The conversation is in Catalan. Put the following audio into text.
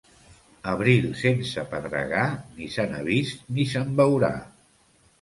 Abril sense pedregar, ni se n'ha vist ni se'n veurà.